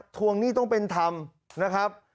ทวงหนี้ต้องเป็นธรรมนะครับ